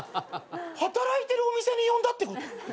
働いてるお店に呼んだってこと？